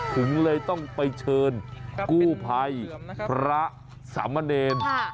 ถึงเลยต้องไปเชิญกู้ภัยพระสามเณร